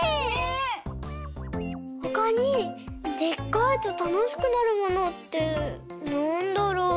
ほかにでっかいとたのしくなるものってなんだろう？